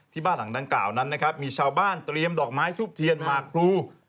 บ้านหลังดังกล่าวนั้นนะครับมีชาวบ้านเตรียมดอกไม้ทูบเทียนหมากพลู